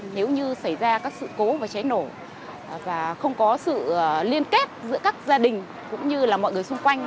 nếu như xảy ra các sự cố và cháy nổ và không có sự liên kết giữa các gia đình cũng như là mọi người xung quanh